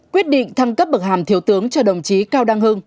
quyết định thăng cấp bậc hàm thiếu tướng cho đồng chí cao đăng hưng